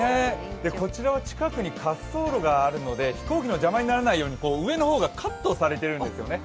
こちらは近くに滑走路があるので飛行機の邪魔にならないように上の方がカットされているんですね。